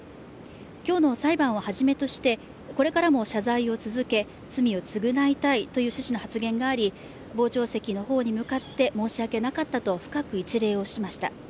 今日の裁判をはじめとして、これからも謝罪を重ね、罪を償いたいと傍聴席の方に向かって申し訳なかったと深く一礼をしました。